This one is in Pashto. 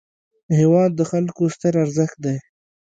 هېواد د خلکو ستر ارزښت دی.